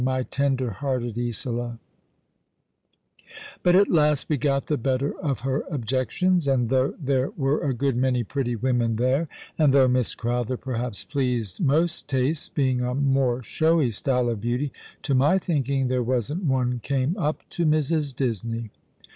My tender hearted Isola !" "Jjut at last we got the better of her objections; and though there were a good many pretty women there, and though Miss Crowther, perhaps, pleased most tastes, being a more showy style of beauty, to my thinking there wasn't one came up to Mrs. Disney."